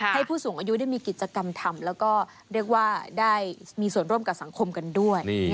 ผู้สูงอายุได้มีกิจกรรมทำแล้วก็เรียกว่าได้มีส่วนร่วมกับสังคมกันด้วย